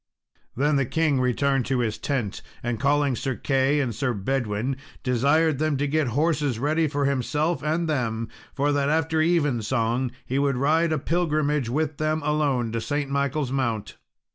Then the king returned to his tent, and, calling Sir Key and Sir Bedwin, desired them to get horses ready for himself and them, for that after evensong he would ride a pilgrimage with them alone to St. Michael's Mount.